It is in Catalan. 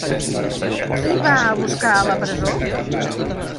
Qui va a buscar a la presó?